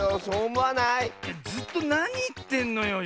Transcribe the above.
ずっとなにいってんのよ。